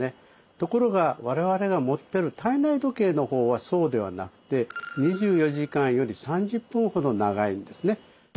ところが我々が持ってる体内時計のほうはそうではなくて２４時間より３０分ほど長いんですね。